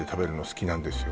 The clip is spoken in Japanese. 好きなんですよ